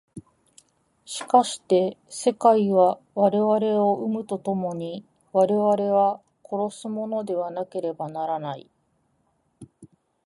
しかして世界は我々を生むと共に我々を殺すものでなければならない。